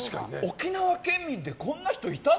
沖縄県民でこんな人いたの？